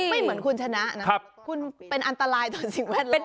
ไม่เหมือนคุณชนะนะคุณเป็นอันตรายต่อสิ่งแวดล้อม